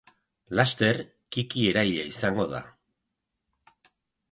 Laster, Kiki eraila izango da.